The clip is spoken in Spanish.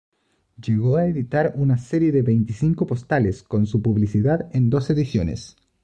Llegó a editar una serie de veinticinco postales con su publicidad en dos ediciones.